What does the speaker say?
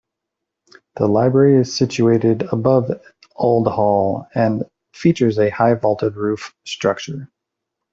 The library is situated above Eld Hall, and features a high vaulted roof structure.